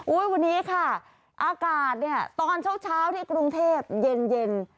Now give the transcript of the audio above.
วันนี้ค่ะอากาศเนี่ยตอนเช้าที่กรุงเทพเย็น